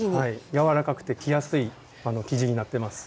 柔らかくて着やすい生地になってます。